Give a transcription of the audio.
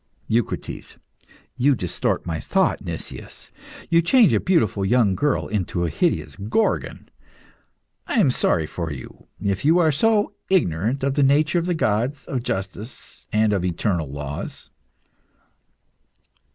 EUCRITES. You distort my thought, Nicias, and change a beautiful young girl into a hideous Gorgon. I am sorry for you, if you are so ignorant of the nature of the gods, of justice, and of the eternal laws.